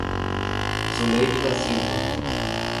Zuleide da Silva